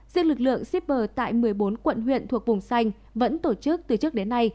riêng lực lượng shipper tại một mươi bốn quận huyện thuộc vùng xanh vẫn tổ chức từ trước đến nay